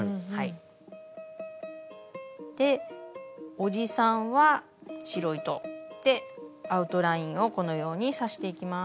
おじさんは白糸でアウトラインをこのように刺していきます。